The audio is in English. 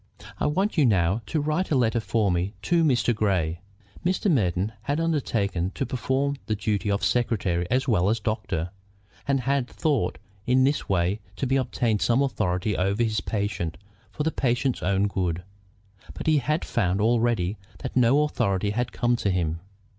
"I want you now to write a letter for me to Mr. Grey." Mr. Merton had undertaken to perform the duties of secretary as well as doctor, and had thought in this way to obtain some authority over his patient for the patient's own good; but he had found already that no authority had come to him.